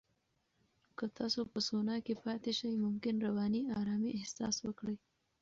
که تاسو په سونا کې پاتې شئ، ممکن رواني آرامۍ احساس وکړئ.